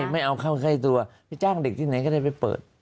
ไม่เอาเข้าใกล้ตัวไปจ้างเด็กที่ไหนก็ได้ไปเปิด